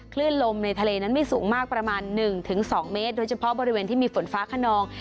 คลื่นลมในทะเลนั้นไม่สูงมากประมาณ๑๒เมตรโดยเฉพาะบริเวณที่มีฝนฟ้าขนอง